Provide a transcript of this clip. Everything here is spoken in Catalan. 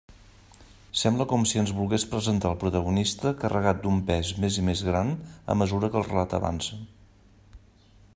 Sembla com si ens volgués presentar el protagonista carregat d'un pes més i més gran a mesura que el relat avança.